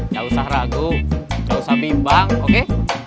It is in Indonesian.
jauh jauh ragu jauh jauh bimbang oke